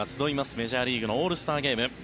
メジャーリーグのオールスターゲーム。